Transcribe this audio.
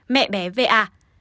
mẹ bé va